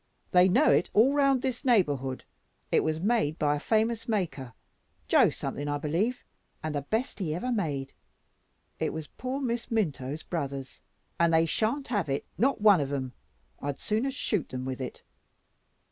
They know it all round this neighbourhood, it was made by a famous maker, Joe something, I b'lieve, and the best he ever made; it was poor Miss Minto's brother's; and they shan't have it, not one of 'em. I'd sooner shoot them with it.